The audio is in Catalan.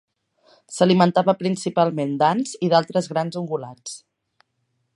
S'alimentava principalment d'ants i d'altres grans ungulats.